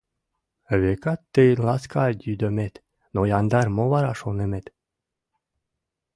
Векат, тыйын ласка йӱдомет, Но яндар мо вара шонымет?